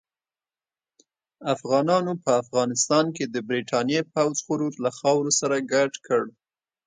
افغانانو په افغانستان کې د برتانیې پوځ غرور له خاورو سره ګډ کړ.